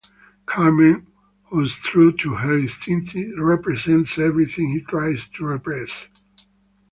Carmen, who's true to her instincts, represents everything he tries to repress.